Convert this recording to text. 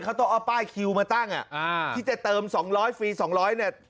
เขาต้องเอาป้ายคิวมาตั้งอ่ะอ่าที่จะเติม๒๐๐ฟรีสองร้อยเนี่ย